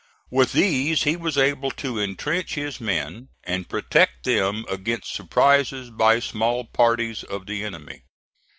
With these he was able to intrench his men and protect them against surprises by small parties of the enemy.